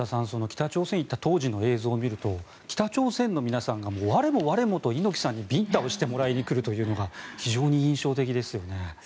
北朝鮮に行った当時の映像を見ると北朝鮮の皆さんが我も我もと猪木さんにビンタをしてもらいに来るというのが非常に印象的ですよね。